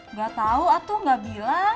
nggak tahu aku nggak bilang